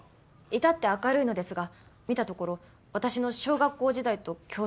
至って明るいのですが見たところ私の小学校時代と共通点が。